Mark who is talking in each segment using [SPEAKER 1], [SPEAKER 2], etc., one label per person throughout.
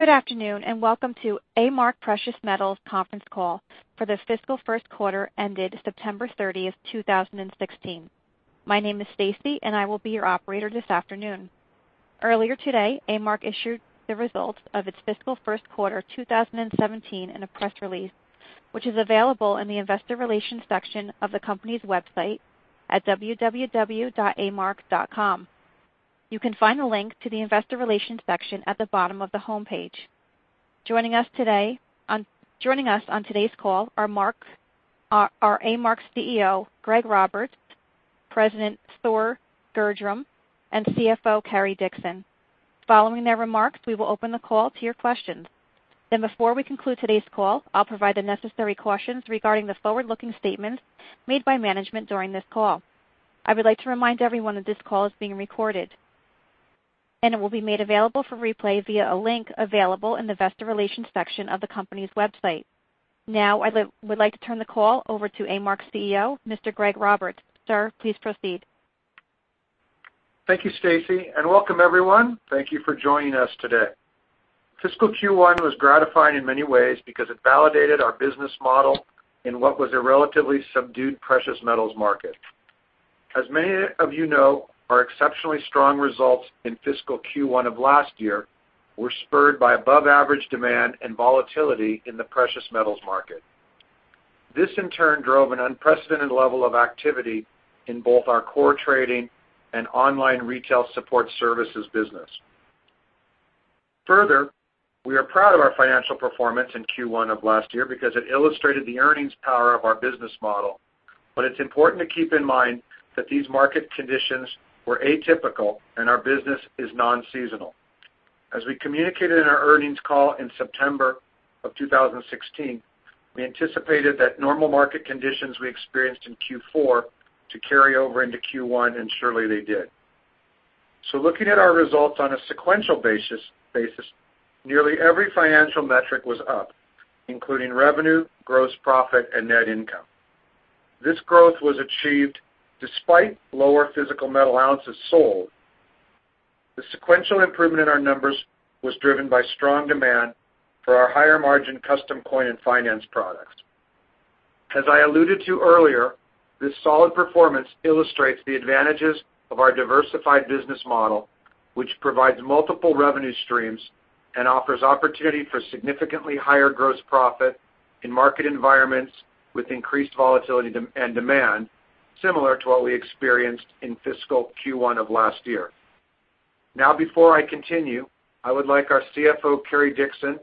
[SPEAKER 1] Good afternoon, welcome to A-Mark Precious Metals conference call for the fiscal first quarter ended September 30, 2016. My name is Stacey, and I will be your operator this afternoon. Earlier today, A-Mark issued the results of its fiscal first quarter 2017 in a press release, which is available in the investor relations section of the company's website at www.amark.com. You can find the link to the investor relations section at the bottom of the homepage. Joining us on today's call are A-Mark's CEO, Greg Roberts, President Thor Gjerdrum, and CFO Cary Dickson. Following their remarks, we will open the call to your questions. Before we conclude today's call, I'll provide the necessary cautions regarding the forward-looking statements made by management during this call. I would like to remind everyone that this call is being recorded, and it will be made available for replay via a link available in the investor relations section of the company's website. I would like to turn the call over to A-Mark's CEO, Mr. Greg Roberts. Sir, please proceed.
[SPEAKER 2] Thank you, Stacey, and welcome everyone. Thank you for joining us today. Fiscal Q1 was gratifying in many ways because it validated our business model in what was a relatively subdued precious metals market. As many of you know, our exceptionally strong results in fiscal Q1 of last year were spurred by above-average demand and volatility in the precious metals market. This, in turn, drove an unprecedented level of activity in both our core trading and online retail support services business. Further, we are proud of our financial performance in Q1 of last year because it illustrated the earnings power of our business model. It's important to keep in mind that these market conditions were atypical and our business is non-seasonal. As we communicated in our earnings call in September 2016, we anticipated that normal market conditions we experienced in Q4 to carry over into Q1, and surely they did. Looking at our results on a sequential basis, nearly every financial metric was up, including revenue, gross profit, and net income. This growth was achieved despite lower physical metal ounces sold. The sequential improvement in our numbers was driven by strong demand for our higher-margin custom coin and finance products. As I alluded to earlier, this solid performance illustrates the advantages of our diversified business model, which provides multiple revenue streams and offers opportunity for significantly higher gross profit in market environments with increased volatility and demand, similar to what we experienced in fiscal Q1 of last year. Before I continue, I would like our CFO, Cary Dickson,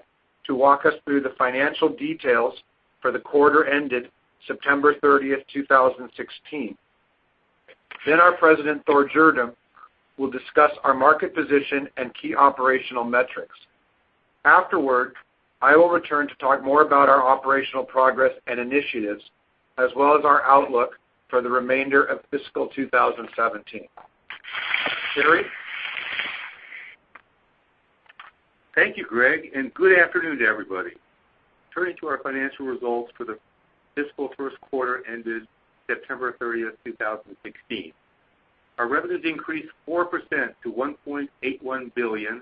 [SPEAKER 2] to walk us through the financial details for the quarter ended September 30th, 2016. Our President, Thor Gjerdrum, will discuss our market position and key operational metrics. Afterward, I will return to talk more about our operational progress and initiatives, as well as our outlook for the remainder of fiscal 2017. Cary?
[SPEAKER 3] Thank you, Greg, and good afternoon to everybody. Turning to our financial results for the fiscal first quarter ended September 30th, 2016. Our revenues increased 4% to $1.81 billion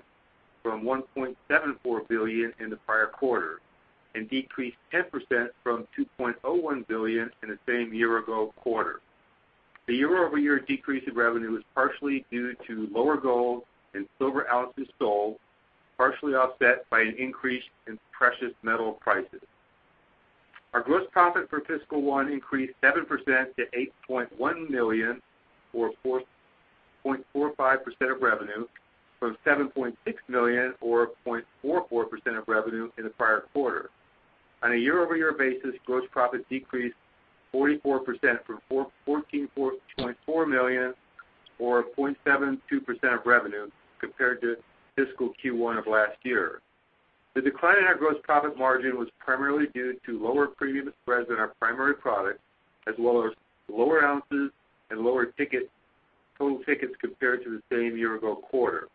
[SPEAKER 3] from $1.74 billion in the prior quarter and decreased 10% from $2.01 billion in the same year-ago quarter. The year-over-year decrease in revenue is partially due to lower gold and silver ounces sold, partially offset by an increase in precious metal prices. Our gross profit for fiscal one increased 7% to $8.1 million, or 4.45% of revenue, from $7.6 million or 0.44% of revenue in the prior quarter. On a year-over-year basis, gross profit decreased 44% from $14.4 million or 0.72% of revenue compared to fiscal Q1 of last year. The decline in our gross profit margin was primarily due to lower premium spreads on our primary product, as well as lower ounces and lower total tickets compared to the same year-ago quarter.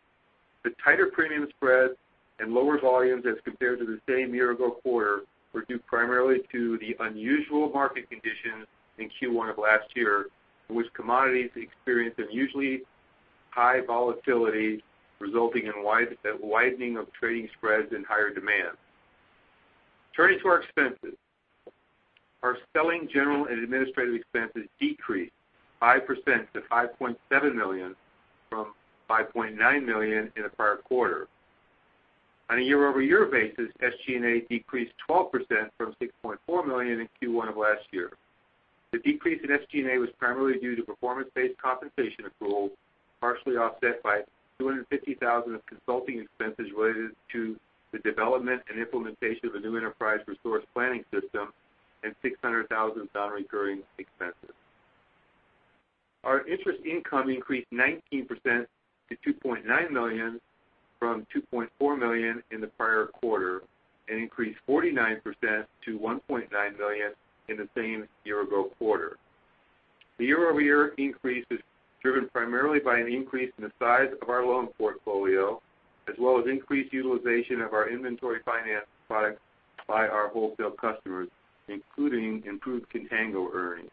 [SPEAKER 3] The tighter premium spreads and lower volumes as compared to the same year-ago quarter were due primarily to the unusual market conditions in Q1 of last year, in which commodities experienced unusually high volatility, resulting in widening of trading spreads and higher demand. Turning to our expenses. Our selling, general, and administrative expenses decreased 5% to $5.7 million from $5.9 million in the prior quarter. On a year-over-year basis, SG&A decreased 12% from $6.4 million in Q1 of last year. The decrease in SG&A was primarily due to performance-based compensation accrual, partially offset by $250,000 of consulting expenses related to the development and implementation of a new enterprise resource planning system and $600,000 non-recurring expenses. Our interest income increased 19% to $2.9 million from $2.4 million in the prior quarter and increased 49% to $1.9 million in the same year-ago quarter. The year-over-year increase is driven primarily by an increase in the size of our loan portfolio, as well as increased utilization of our inventory finance product by our wholesale customers, including improved contango earnings.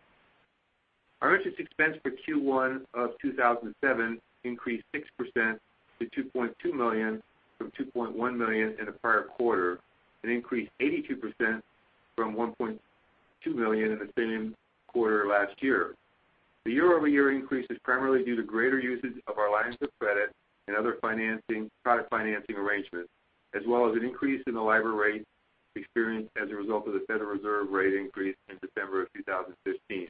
[SPEAKER 3] Our interest expense for Q1 of 2017 increased 6% to $2.2 million from $2.1 million in the prior quarter, and increased 82% from $1.2 million in the same quarter last year. The year-over-year increase is primarily due to greater usage of our lines of credit and other product financing arrangements, as well as an increase in the LIBOR rate experienced as a result of the Federal Reserve rate increase in December of 2015.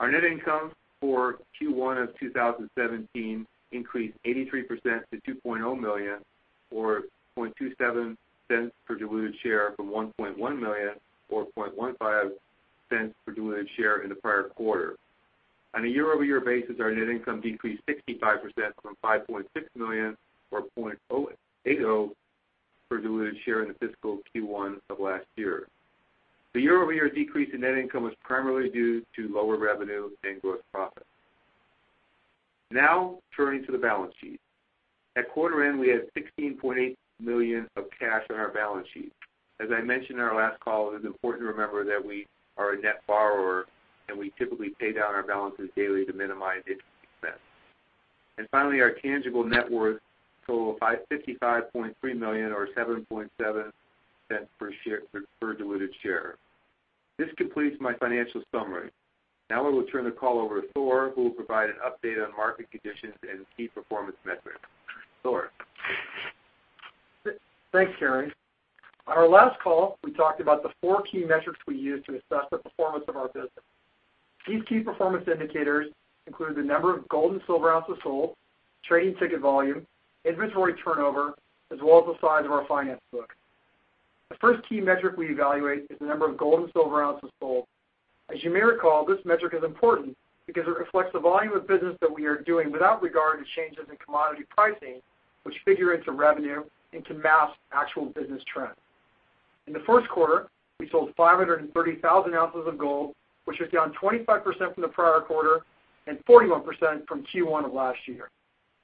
[SPEAKER 3] Our net income for Q1 of 2017 increased 83% to $2.0 million, or $0.27 per diluted share, from $1.1 million or $0.15 per diluted share in the prior quarter. On a year-over-year basis, our net income decreased 65% from $5.6 million or $0.80 per diluted share in the fiscal Q1 of last year. The year-over-year decrease in net income was primarily due to lower revenue and gross profit. Turning to the balance sheet. At quarter end, we had $16.8 million of cash on our balance sheet. As I mentioned in our last call, it is important to remember that we are a net borrower and we typically pay down our balances daily to minimize interest expense. And finally, our tangible net worth totaled $55.3 million or $7.7 per diluted share. This completes my financial summary. I will turn the call over to Thor, who will provide an update on market conditions and key performance metrics. Thor?
[SPEAKER 4] Thanks, Cary. On our last call, we talked about the four key metrics we use to assess the performance of our business. These key performance indicators include the number of gold and silver ounces sold, trading ticket volume, inventory turnover, as well as the size of our finance book. The first key metric we evaluate is the number of gold and silver ounces sold. As you may recall, this metric is important because it reflects the volume of business that we are doing without regard to changes in commodity pricing, which figure into revenue and can mask actual business trends. In the first quarter, we sold 530,000 ounces of gold, which was down 25% from the prior quarter and 41% from Q1 of last year.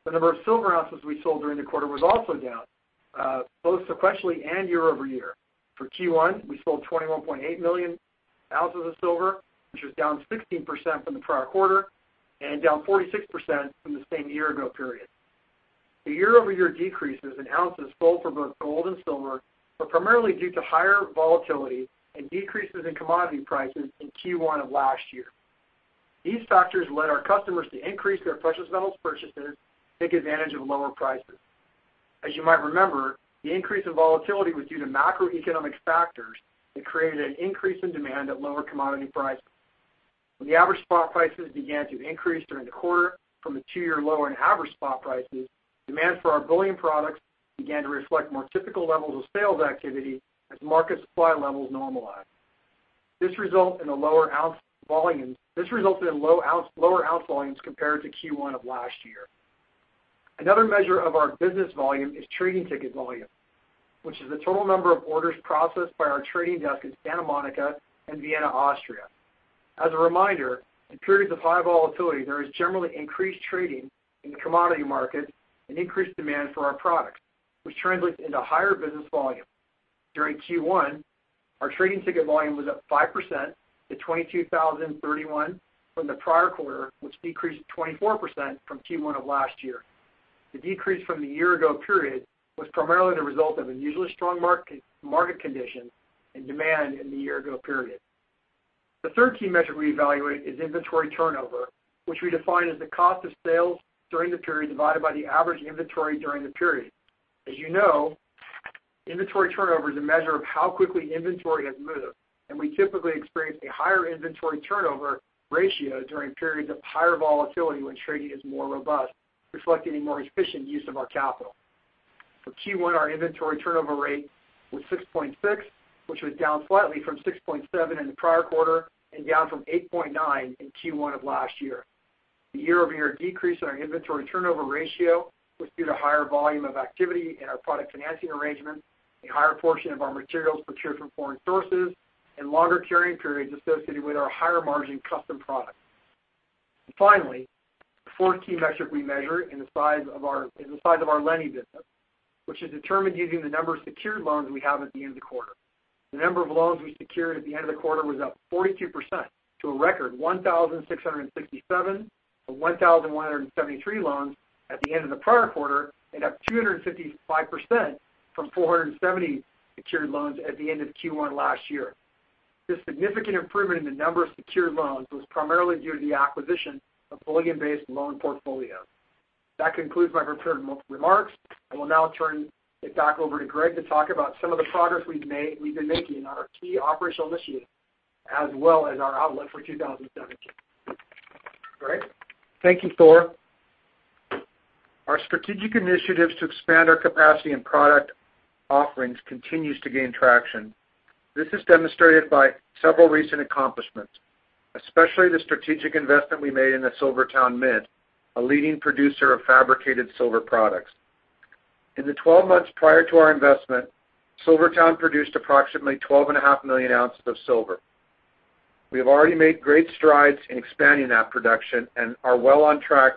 [SPEAKER 4] The number of silver ounces we sold during the quarter was also down, both sequentially and year-over-year. For Q1, we sold 21.8 million ounces of silver, which was down 16% from the prior quarter and down 46% from the same year-ago period. The year-over-year decreases in ounces sold for both gold and silver were primarily due to higher volatility and decreases in commodity prices in Q1 of last year. These factors led our customers to increase their precious metals purchases to take advantage of lower prices. As you might remember, the increase in volatility was due to macroeconomic factors that created an increase in demand at lower commodity prices. When the average spot prices began to increase during the quarter from the two-year low in average spot prices, demand for our bullion products began to reflect more typical levels of sales activity as market supply levels normalized. This resulted in lower ounce volumes compared to Q1 of last year. Another measure of our business volume is trading ticket volume, which is the total number of orders processed by our trading desk in Santa Monica and Vienna, Austria. As a reminder, in periods of high volatility, there is generally increased trading in the commodity market and increased demand for our products, which translates into higher business volume. During Q1, our trading ticket volume was up 5% to 22,031 from the prior quarter, which decreased 24% from Q1 of last year. The decrease from the year-ago period was primarily the result of unusually strong market conditions and demand in the year-ago period. The third key metric we evaluate is inventory turnover, which we define as the cost of sales during the period divided by the average inventory during the period. As you know, inventory turnover is a measure of how quickly inventory has moved, and we typically experience a higher inventory turnover ratio during periods of higher volatility when trading is more robust, reflecting a more efficient use of our capital. For Q1, our inventory turnover rate was 6.6, which was down slightly from 6.7 in the prior quarter and down from 8.9 in Q1 of last year. The year-over-year decrease in our inventory turnover ratio was due to higher volume of activity in our product financing arrangements, a higher portion of our materials purchased from foreign sources, and longer carrying periods associated with our higher-margin custom products. Finally, the fourth key metric we measure is the size of our lending business, which is determined using the number of secured loans we have at the end of the quarter. The number of loans we secured at the end of the quarter was up 42% to a record 1,667 from 1,173 loans at the end of the prior quarter, and up 255% from 470 secured loans at the end of Q1 last year. This significant improvement in the number of secured loans was primarily due to the acquisition of Bullion-Based Loan portfolio. That concludes my prepared remarks. I will now turn it back over to Greg to talk about some of the progress we've been making on our key operational initiatives, as well as our outlook for 2017. Greg?
[SPEAKER 2] Thank you, Thor. Our strategic initiatives to expand our capacity and product offerings continues to gain traction. This is demonstrated by several recent accomplishments, especially the strategic investment we made in the SilverTowne Mint, a leading producer of fabricated silver products. In the 12 months prior to our investment, SilverTowne produced approximately 12.5 million ounces of silver. We have already made great strides in expanding that production and are well on track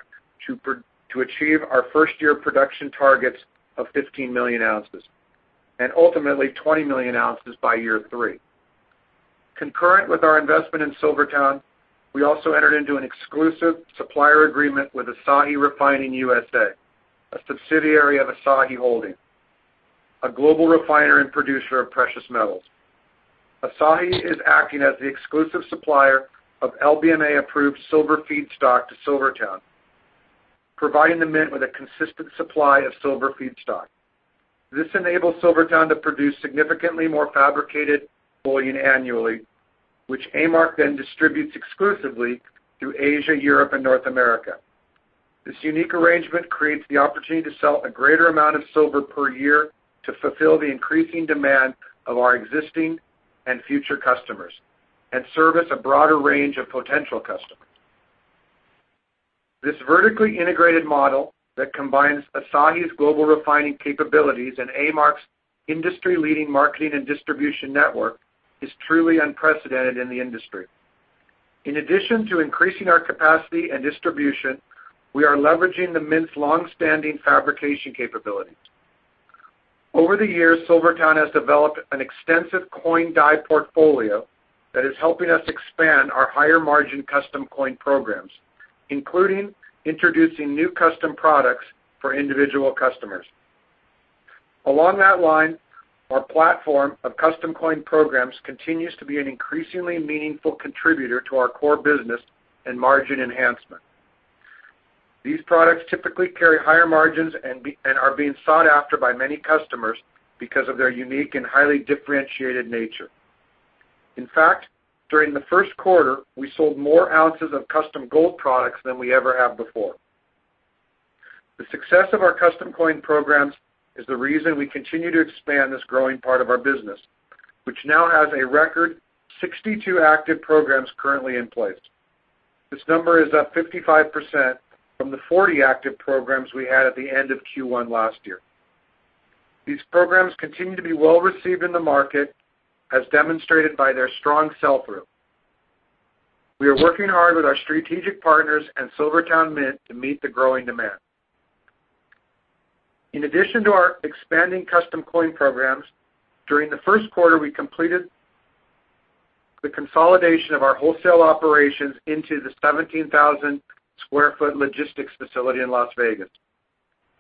[SPEAKER 2] to achieve our first-year production targets of 15 million ounces Ultimately, 20 million ounces by year three. Concurrent with our investment in SilverTowne, we also entered into an exclusive supplier agreement with Asahi Refining USA, a subsidiary of Asahi Holdings, a global refiner and producer of precious metals. Asahi is acting as the exclusive supplier of LBMA-approved silver feedstock to SilverTowne, providing the mint with a consistent supply of silver feedstock. This enables SilverTowne to produce significantly more fabricated bullion annually, which A-Mark then distributes exclusively through Asia, Europe, and North America. This unique arrangement creates the opportunity to sell a greater amount of silver per year to fulfill the increasing demand of our existing and future customers and service a broader range of potential customers. This vertically integrated model that combines Asahi's global refining capabilities and A-Mark's industry-leading marketing and distribution network is truly unprecedented in the industry. In addition to increasing our capacity and distribution, we are leveraging the mint's long-standing fabrication capability. Over the years, SilverTowne has developed an extensive coin die portfolio that is helping us expand our higher-margin custom coin programs, including introducing new custom products for individual customers. Along that line, our platform of custom coin programs continues to be an increasingly meaningful contributor to our core business and margin enhancement. These products typically carry higher margins and are being sought after by many customers because of their unique and highly differentiated nature. In fact, during the first quarter, we sold more ounces of custom gold products than we ever have before. The success of our custom coin programs is the reason we continue to expand this growing part of our business, which now has a record 62 active programs currently in place. This number is up 55% from the 40 active programs we had at the end of Q1 last year. These programs continue to be well-received in the market, as demonstrated by their strong sell-through. We are working hard with our strategic partners and SilverTowne Mint to meet the growing demand. In addition to our expanding custom coin programs, during the first quarter, we completed the consolidation of our wholesale operations into the 17,000 sq ft logistics facility in Las Vegas.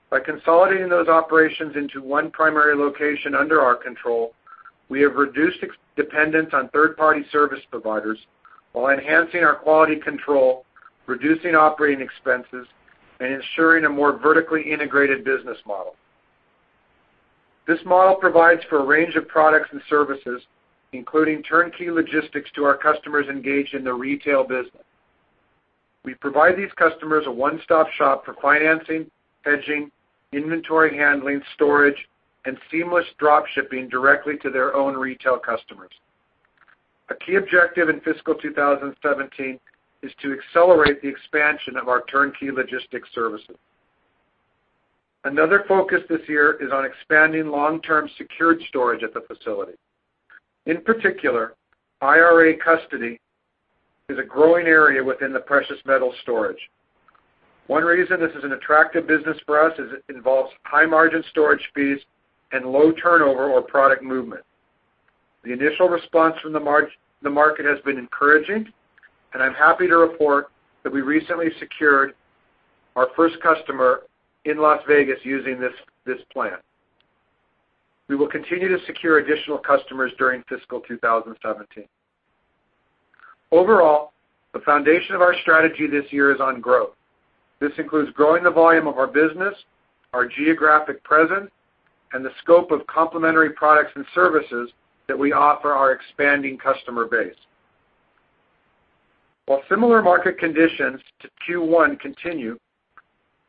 [SPEAKER 2] By consolidating those operations into one primary location under our control, we have reduced dependence on third-party service providers while enhancing our quality control, reducing operating expenses, and ensuring a more vertically integrated business model. This model provides for a range of products and services, including turnkey logistics to our customers engaged in the retail business. We provide these customers a one-stop shop for financing, hedging, inventory handling, storage, and seamless drop shipping directly to their own retail customers. A key objective in fiscal 2017 is to accelerate the expansion of our turnkey logistics services. Another focus this year is on expanding long-term secured storage at the facility. In particular, IRA custody is a growing area within the precious metal storage. One reason this is an attractive business for us is it involves high-margin storage fees and low turnover or product movement. The initial response from the market has been encouraging, and I'm happy to report that we recently secured our first customer in Las Vegas using this plan. We will continue to secure additional customers during fiscal 2017. Overall, the foundation of our strategy this year is on growth. This includes growing the volume of our business, our geographic presence, and the scope of complementary products and services that we offer our expanding customer base. While similar market conditions to Q1 continue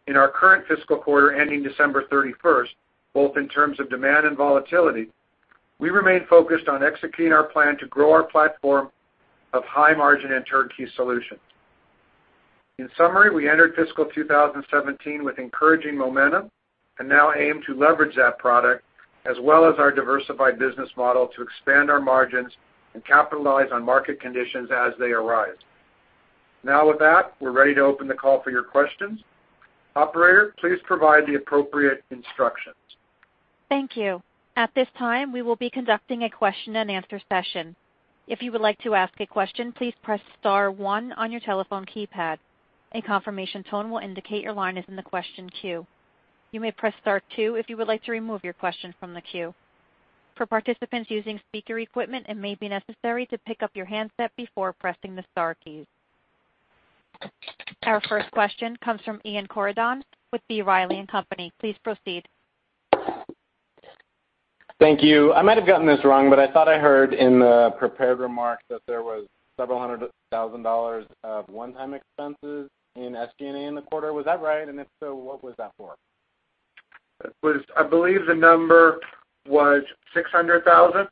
[SPEAKER 2] in our current fiscal quarter ending December 31st, both in terms of demand and volatility, we remain focused on executing our plan to grow our platform of high margin and turnkey solutions. In summary, we entered fiscal 2017 with encouraging momentum and now aim to leverage that product as well as our diversified business model to expand our margins and capitalize on market conditions as they arise. Now with that, we're ready to open the call for your questions. Operator, please provide the appropriate instructions.
[SPEAKER 1] Thank you. At this time, we will be conducting a question and answer session. If you would like to ask a question, please press star one on your telephone keypad. A confirmation tone will indicate your line is in the question queue. You may press star two if you would like to remove your question from the queue. For participants using speaker equipment, it may be necessary to pick up your handset before pressing the star keys. Our first question comes from Ian Corydon with B. Riley & Co. Please proceed.
[SPEAKER 5] Thank you. I might have gotten this wrong, but I thought I heard in the prepared remarks that there was several hundred thousand dollars of one-time expenses in SG&A in the quarter. Was that right? If so, what was that for?
[SPEAKER 2] I believe the number was $600,000.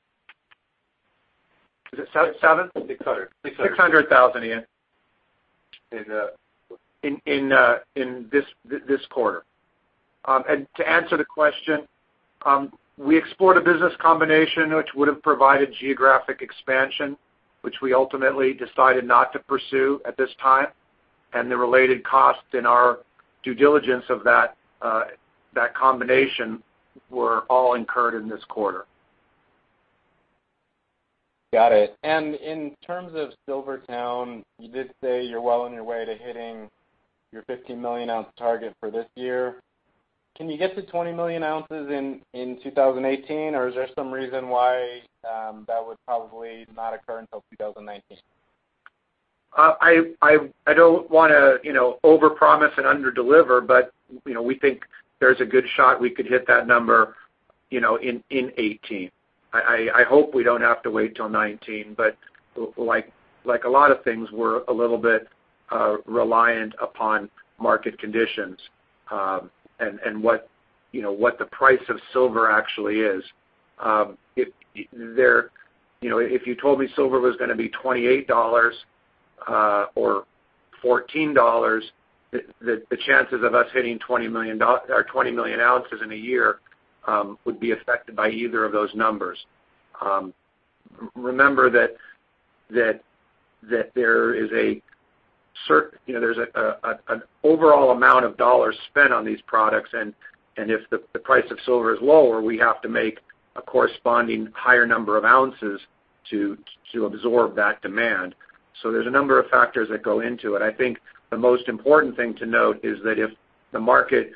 [SPEAKER 2] Is it seven?
[SPEAKER 3] $600,000.
[SPEAKER 2] $600,000, Ian, in this quarter. To answer the question, we explored a business combination which would have provided geographic expansion, which we ultimately decided not to pursue at this time. The related costs in our due diligence of that combination were all incurred in this quarter.
[SPEAKER 5] Got it. In terms of SilverTowne, you did say you're well on your way to hitting your 15 million ounce target for this year. Can you get to 20 million ounces in 2018, or is there some reason why that would probably not occur until 2019?
[SPEAKER 2] I don't want to overpromise and underdeliver, but we think there's a good shot we could hit that number in 2018. I hope we don't have to wait till 2019, but like a lot of things, we're a little bit reliant upon market conditions and what the price of silver actually is. If you told me silver was going to be $28 or $14, the chances of us hitting 20 million ounces in a year would be affected by either of those numbers. Remember that there's an overall amount of dollars spent on these products, and if the price of silver is lower, we have to make a corresponding higher number of ounces to absorb that demand. There's a number of factors that go into it. I think the most important thing to note is that if the market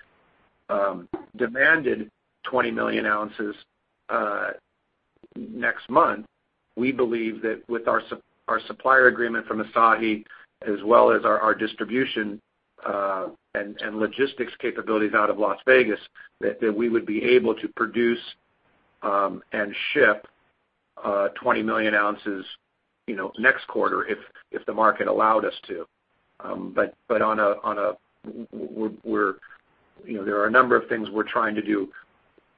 [SPEAKER 2] demanded 20 million ounces next month, we believe that with our supplier agreement from Asahi, as well as our distribution and logistics capabilities out of Las Vegas, that we would be able to produce and ship 20 million ounces next quarter if the market allowed us to. There are a number of things we're trying to do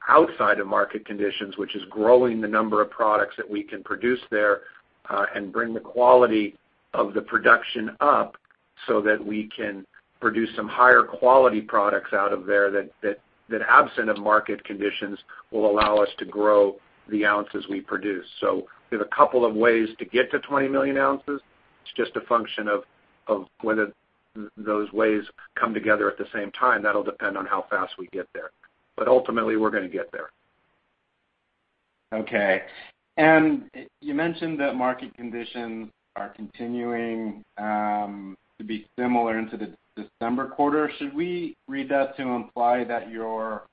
[SPEAKER 2] outside of market conditions, which is growing the number of products that we can produce there and bring the quality of the production up so that we can produce some higher quality products out of there that, absent of market conditions, will allow us to grow the ounces we produce. There's a couple of ways to get to 20 million ounces. It's just a function of whether those ways come together at the same time. That'll depend on how fast we get there. Ultimately, we're going to get there.
[SPEAKER 5] Okay. You mentioned that market conditions are continuing to be similar into the December quarter. Should we read that to imply that your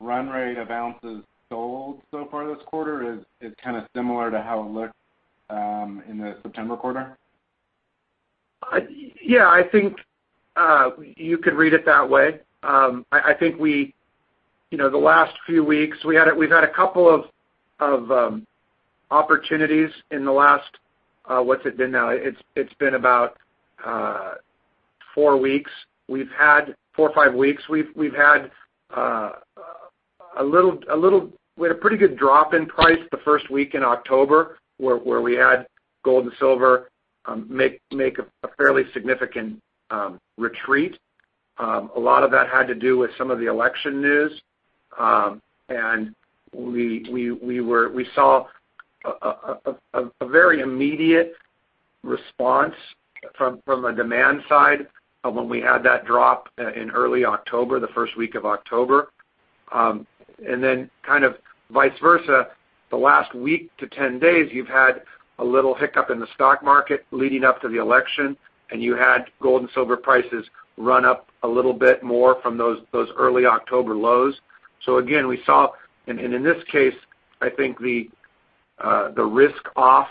[SPEAKER 5] run rate of ounces sold so far this quarter is kind of similar to how it looked in the September quarter?
[SPEAKER 2] Yeah, I think you could read it that way. I think the last few weeks, we've had a couple of opportunities in the last, what's it been now? It's been about four weeks. Four or five weeks. We had a pretty good drop in price the first week in October, where we had gold and silver make a fairly significant retreat. A lot of that had to do with some of the election news. We saw a very immediate response from a demand side when we had that drop in early October, the first week of October. Then kind of vice versa, the last week to 10 days, you've had a little hiccup in the stock market leading up to the election, and you had gold and silver prices run up a little bit more from those early October lows. Again, and in this case, I think the risk-off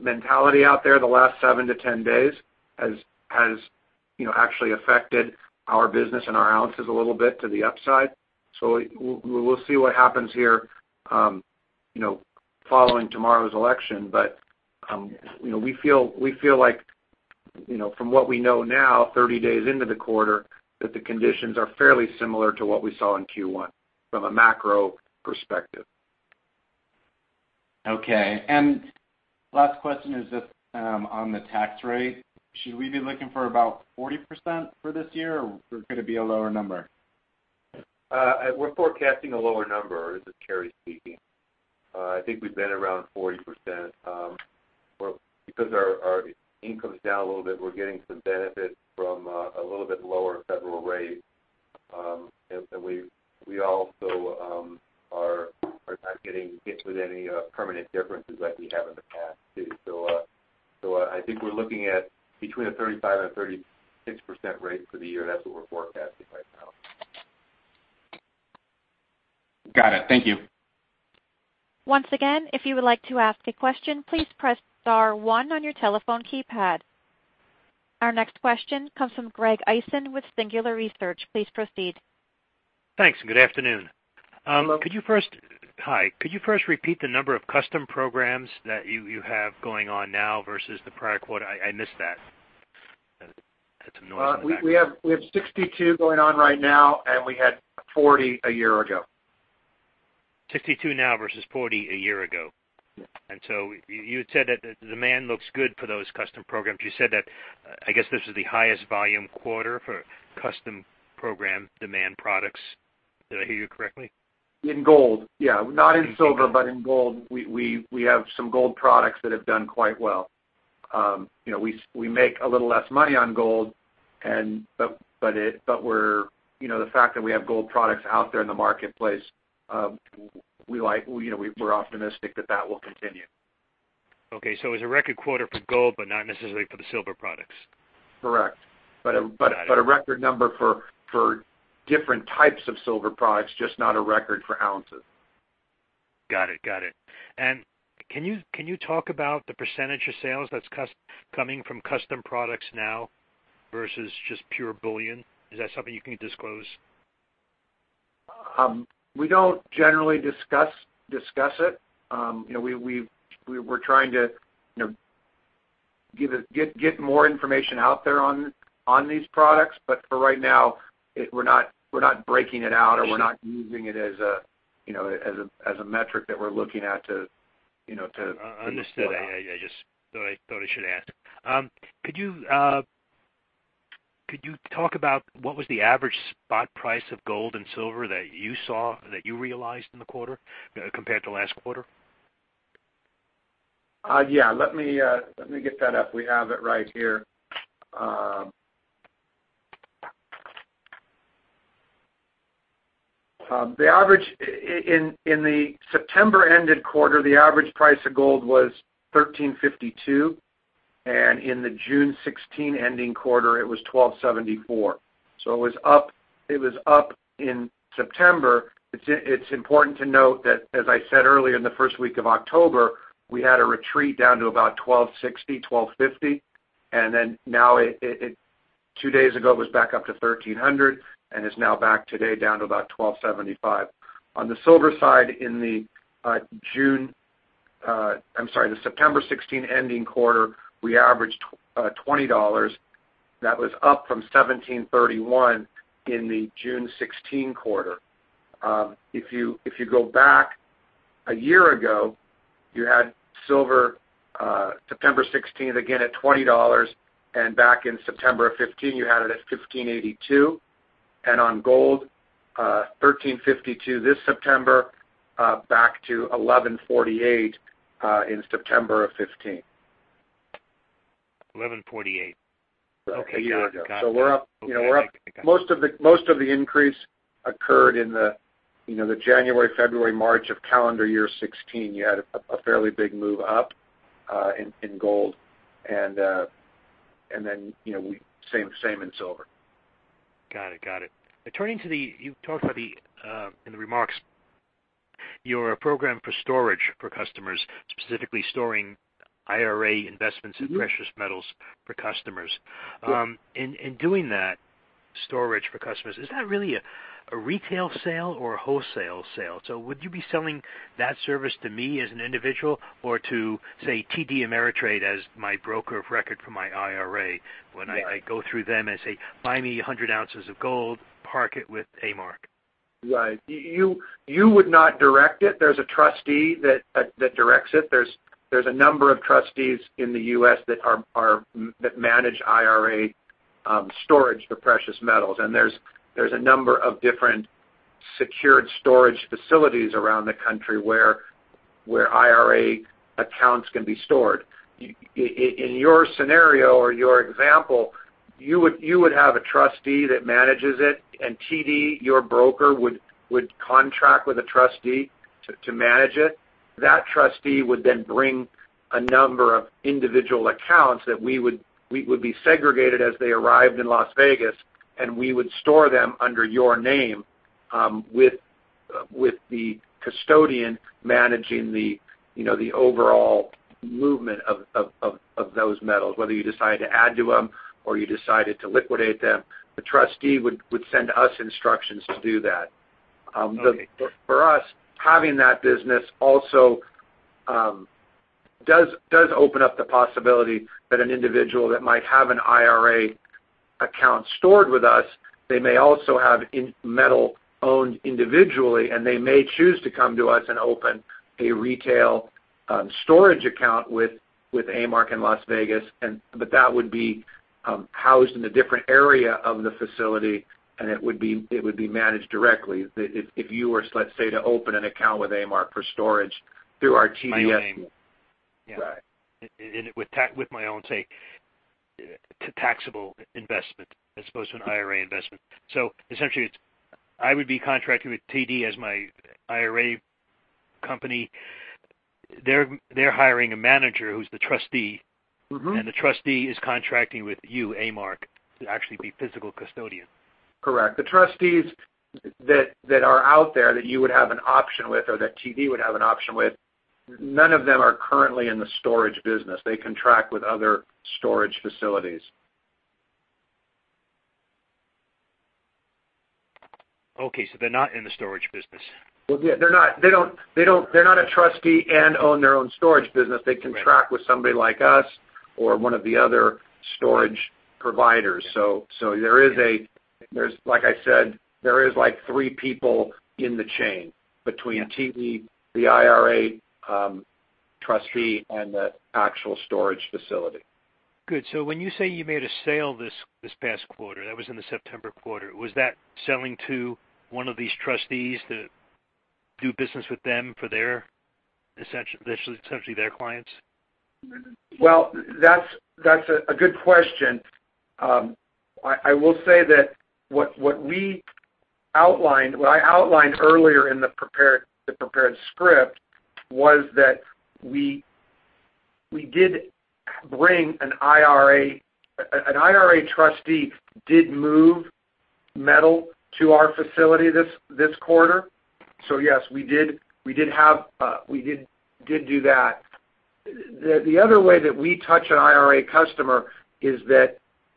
[SPEAKER 2] mentality out there the last seven to 10 days has actually affected our business and our ounces a little bit to the upside. We'll see what happens here following tomorrow's election, but we feel like from what we know now, 30 days into the quarter, that the conditions are fairly similar to what we saw in Q1 from a macro perspective.
[SPEAKER 5] Okay. Last question is just on the tax rate. Should we be looking for about 40% for this year, or could it be a lower number?
[SPEAKER 3] We're forecasting a lower number. This is Cary speaking. I think we've been around 40%. Our income's down a little bit, we're getting some benefit from a little bit lower federal rate. We also are not getting hit with any permanent differences like we have in the past, too. I think we're looking at between a 35%-36% rate for the year. That's what we're forecasting right now.
[SPEAKER 5] Got it. Thank you.
[SPEAKER 1] Once again, if you would like to ask a question, please press star one on your telephone keypad. Our next question comes from Greg Eisen with Singular Research. Please proceed.
[SPEAKER 6] Thanks, and good afternoon.
[SPEAKER 2] Hello.
[SPEAKER 6] Hi. Could you first repeat the number of custom programs that you have going on now versus the prior quarter? I missed that. Had some noise on that.
[SPEAKER 2] We have 62 going on right now, and we had 40 a year ago.
[SPEAKER 6] 62 now versus 40 a year ago.
[SPEAKER 2] Yeah.
[SPEAKER 6] You had said that demand looks good for those custom programs. You said that, I guess this is the highest volume quarter for custom program demand products? Did I hear you correctly?
[SPEAKER 2] In gold, yeah. Not in silver, but in gold. We have some gold products that have done quite well. We make a little less money on gold, but the fact that we have gold products out there in the marketplace, we're optimistic that that will continue.
[SPEAKER 6] Okay. It was a record quarter for gold, but not necessarily for the silver products.
[SPEAKER 2] Correct.
[SPEAKER 6] Got it.
[SPEAKER 2] A record number for different types of silver products, just not a record for ounces.
[SPEAKER 6] Got it. Can you talk about the % of sales that's coming from custom products now versus just pure bullion? Is that something you can disclose?
[SPEAKER 2] We don't generally discuss it. We're trying to get more information out there on these products. For right now, we're not breaking it out, or we're not using it as a metric that we're looking at.
[SPEAKER 6] Understood. I just thought I should ask. Could you talk about what was the average spot price of gold and silver that you saw, that you realized in the quarter compared to last quarter?
[SPEAKER 2] Yeah. Let me get that up. We have it right here. In the September-ended quarter, the average price of gold was $1,352, and in the June 2016 ending quarter, it was $1,274. It was up in September. It's important to note that, as I said earlier, in the first week of October, we had a retreat down to about $1,260, $1,250, and then now two days ago, it was back up to $1,300 and is now back today down to about $1,275. On the silver side, in the September 2016 ending quarter, we averaged $20. That was up from $17.31 in the June 2016 quarter. If you go back a year ago, you had silver, September 2016, again at $20, and back in September of 2015, you had it at $15.82. On gold, $1,352 this September, back to $1,148 in September of 2015.
[SPEAKER 6] $1,148.
[SPEAKER 2] A year ago.
[SPEAKER 6] Okay, got it.
[SPEAKER 2] We're up. Most of the increase occurred in the January, February, March of calendar year 2016. You had a fairly big move up in gold and then same in silver.
[SPEAKER 6] Got it. In the remarks, your program for storage for customers, specifically storing IRA investments in precious metals for customers.
[SPEAKER 2] Sure.
[SPEAKER 6] In doing that storage for customers, is that really a retail sale or a wholesale sale? Would you be selling that service to me as an individual or to, say, TD Ameritrade as my broker of record for my IRA when I go through them and say, "Buy me 100 ounces of gold, park it with A-Mark.
[SPEAKER 2] Right. You would not direct it. There's a trustee that directs it. There's a number of trustees in the U.S. that manage IRA storage for precious metals, and there's a number of different secured storage facilities around the country where IRA accounts can be stored. In your scenario or your example, you would have a trustee that manages it, and TD, your broker, would contract with a trustee to manage it. That trustee would then bring a number of individual accounts that would be segregated as they arrived in Las Vegas, and we would store them under your name, with the custodian managing the overall movement of those metals. Whether you decide to add to them or you decided to liquidate them, the trustee would send us instructions to do that.
[SPEAKER 6] Okay.
[SPEAKER 2] For us, having that business also does open up the possibility that an individual that might have an IRA account stored with us, they may also have metal owned individually, and they may choose to come to us and open a retail storage account with A-Mark in Las Vegas. That would be housed in a different area of the facility, and it would be managed directly if you were, let's say, to open an account with A-Mark for storage through our TDS-
[SPEAKER 6] My name.
[SPEAKER 2] Right.
[SPEAKER 6] With my own, say, taxable investment as opposed to an IRA investment. Essentially, I would be contracting with TD as my IRA company. They're hiring a manager who's the trustee. The trustee is contracting with you, A-Mark, to actually be physical custodian.
[SPEAKER 2] Correct. The trustees that are out there that you would have an option with or that TD would have an option with, none of them are currently in the storage business. They contract with other storage facilities.
[SPEAKER 6] Okay, they're not in the storage business.
[SPEAKER 2] Well, yeah. They're not a trustee and own their own storage business. They contract with somebody like us or one of the other storage providers. There is a, like I said, there is like three people in the chain between TD, the IRA trustee, and the actual storage facility.
[SPEAKER 6] Good. When you say you made a sale this past quarter, that was in the September quarter, was that selling to one of these trustees to do business with them for essentially their clients?
[SPEAKER 2] Well, that's a good question. I will say that what I outlined earlier in the prepared script was that an IRA trustee did move metal to our facility this quarter. Yes, we did do that. The other way that we touch an IRA customer is that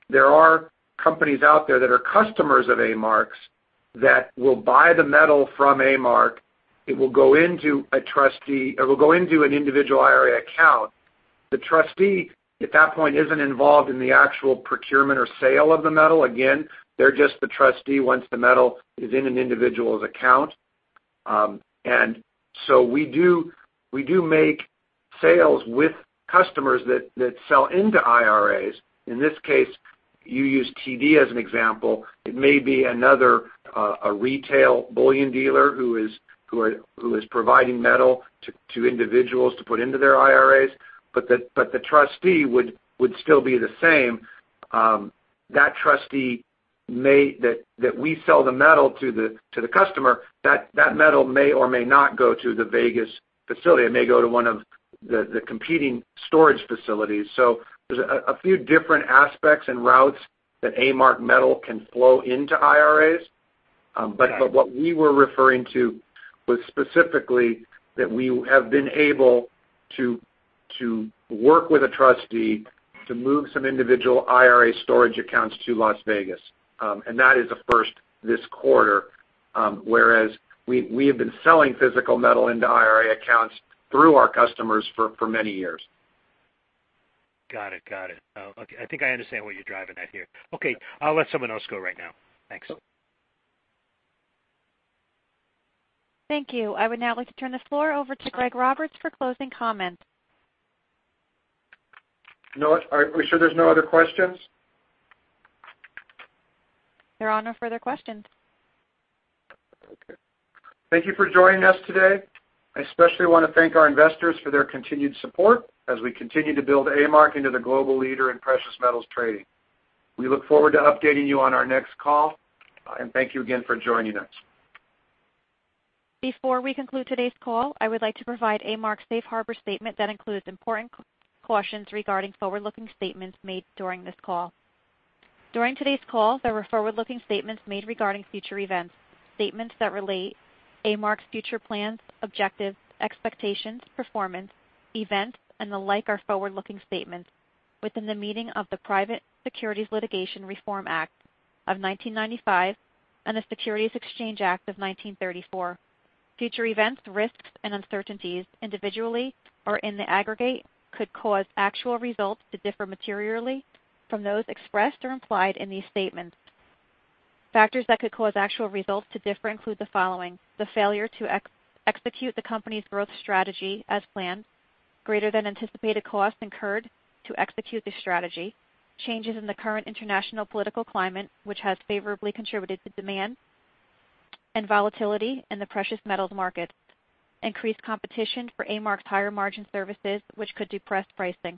[SPEAKER 2] there are companies out there that are customers of A-Mark's that will buy the metal from A-Mark. It will go into an individual IRA account. The trustee, at that point, isn't involved in the actual procurement or sale of the metal. Again, they're just the trustee once the metal is in an individual's account. We do make sales with customers that sell into IRAs. In this case, you used TD as an example. It may be another retail bullion dealer who is providing metal to individuals to put into their IRAs, but the trustee would still be the same. That trustee that we sell the metal to the customer, that metal may or may not go to the Vegas facility. It may go to one of the competing storage facilities. There's a few different aspects and routes that A-Mark metal can flow into IRAs.
[SPEAKER 6] Okay.
[SPEAKER 2] What we were referring to was specifically that we have been able to work with a trustee to move some individual IRA storage accounts to Las Vegas. That is a first this quarter, whereas we have been selling physical metal into IRA accounts through our customers for many years.
[SPEAKER 6] Got it. I think I understand what you're driving at here. Okay. I'll let someone else go right now. Thanks.
[SPEAKER 1] Thank you. I would now like to turn the floor over to Greg Roberts for closing comments.
[SPEAKER 2] Are we sure there's no other questions?
[SPEAKER 1] There are no further questions.
[SPEAKER 2] Okay. Thank you for joining us today. I especially want to thank our investors for their continued support as we continue to build A-Mark into the global leader in precious metals trading. We look forward to updating you on our next call, and thank you again for joining us.
[SPEAKER 1] Before we conclude today's call, I would like to provide A-Mark's safe harbor statement that includes important cautions regarding forward-looking statements made during this call. During today's call, there were forward-looking statements made regarding future events. Statements that relate A-Mark's future plans, objectives, expectations, performance, events, and the like are forward-looking statements within the meaning of the Private Securities Litigation Reform Act of 1995 and the Securities Exchange Act of 1934. Future events, risks, and uncertainties individually or in the aggregate could cause actual results to differ materially from those expressed or implied in these statements. Factors that could cause actual results to differ include the following. The failure to execute the company's growth strategy as planned, greater than anticipated costs incurred to execute the strategy, changes in the current international political climate, which has favorably contributed to demand and volatility in the precious metals markets, increased competition for A-Mark's higher margin services, which could depress pricing,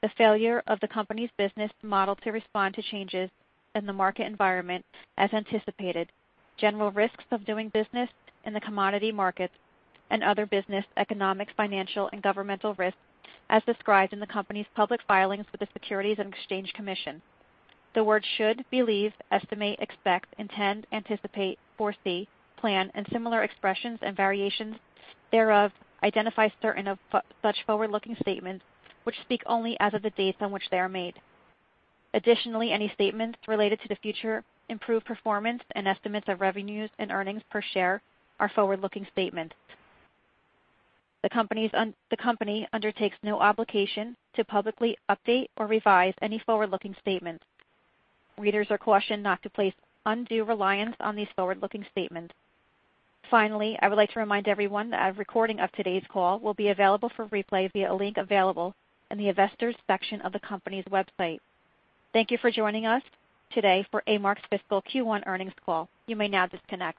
[SPEAKER 1] the failure of the company's business model to respond to changes in the market environment as anticipated, general risks of doing business in the commodity markets, and other business, economic, financial, and governmental risks as described in the company's public filings with the Securities and Exchange Commission. The words should, believe, estimate, expect, intend, anticipate, foresee, plan, and similar expressions and variations thereof identify certain of such forward-looking statements, which speak only as of the dates on which they are made. Any statements related to the future improved performance and estimates of revenues and earnings per share are forward-looking statements. The company undertakes no obligation to publicly update or revise any forward-looking statements. Readers are cautioned not to place undue reliance on these forward-looking statements. I would like to remind everyone that a recording of today's call will be available for replay via a link available in the Investors section of the company's website. Thank you for joining us today for A-Mark's fiscal Q1 earnings call. You may now disconnect.